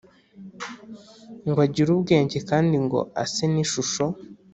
Ngo agire ubwenge kandi ngo ase n ishusho